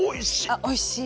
あおいしい。